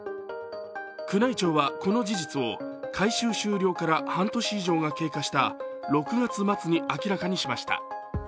宮内庁はこの事実を改修終了から半年以上が経過した６月末に明らかにしました。